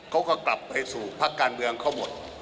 เขาก็กลับไปสู่พักการเมืองเขาหมด